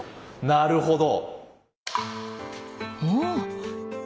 なるほど。